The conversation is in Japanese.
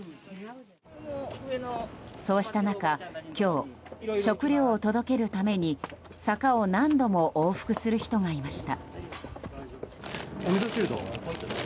そうした中、今日食料を届けるために坂を何度も往復する人がいました。